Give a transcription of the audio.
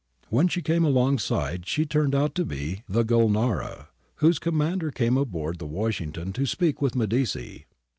When she came alongside she turned out to be the Gulnara, whose commander came aboard the Washington to speak with Medici.